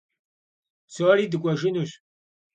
Псори дыкӀуэжынущ.